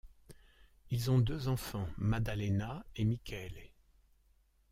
Ils ont deux enfants, Maddalena e Michele.